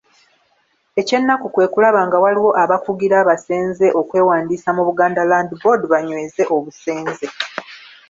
Ekyennaku kwe kulaba nga waliwo abakugira abasenze okwewandiisa mu Buganda Land Board banyweze obusenze.